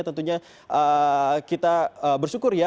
tentunya kita bersyukur ya